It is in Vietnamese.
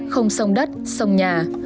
không sông đất sông nhà